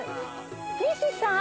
西さん？